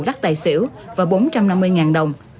lắc tài xỉu và bốn trăm năm mươi đồng